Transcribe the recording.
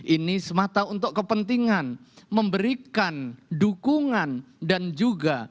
ini semata untuk kepentingan memberikan dukungan dan juga